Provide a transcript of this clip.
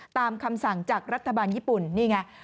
คำสั่งจากรัฐบาลญี่ปุ่นนี่ไง